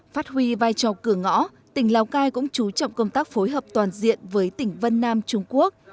phát huy vai trò cửa ngõ tỉnh lào cai cũng chú trọng công tác phối hợp toàn diện với tỉnh vân nam trung quốc